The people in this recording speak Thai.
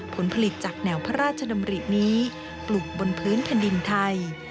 ผลผลิตจากแนวพระราชดำรินี้ปลูกบนพื้นแผ่นดินไทย